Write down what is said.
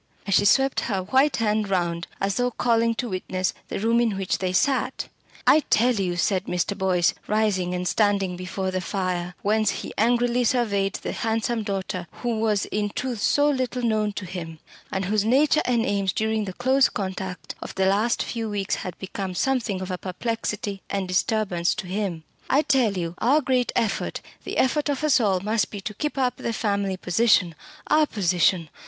And she swept her white hand round, as though calling to witness the room in which they sat. "I tell you," said Mr. Boyce, rising and standing before the fire, whence he angrily surveyed the handsome daughter who was in truth so little known to him, and whose nature and aims during the close contact of the last few weeks had become something of a perplexity and disturbance to him, "I tell you our great effort, the effort of us all, must be to keep up the family position! our position.